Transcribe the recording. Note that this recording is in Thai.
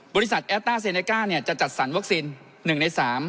แอสต้าเซเนก้าจะจัดสรรวัคซีน๑ใน๓